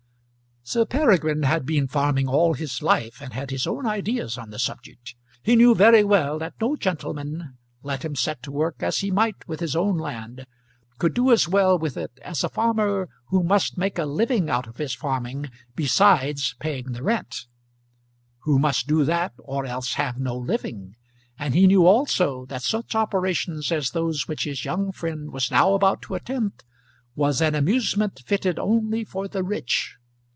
Sir Peregrine had been farming all his life, and had his own ideas on the subject. He knew very well that no gentleman, let him set to work as he might with his own land, could do as well with it as a farmer who must make a living out of his farming besides paying the rent; who must do that or else have no living; and he knew also that such operations as those which his young friend was now about to attempt was an amusement fitted only for the rich.